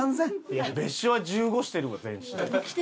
いや別所は１５してるわ全身。